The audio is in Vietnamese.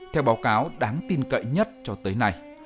theo báo cáo đáng tin cậy nhất cho tới nay